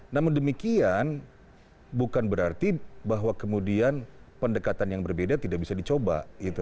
namun demikian bukan berarti bahwa kemudian pendekatan yang berbeda tidak bisa dicoba